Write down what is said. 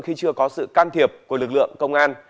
khi chưa có sự can thiệp của lực lượng công an